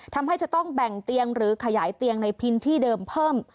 ทำให้จะต้องแบ่งเตียงหรือขยายเตียงในพื้นที่เดิมเพิ่ม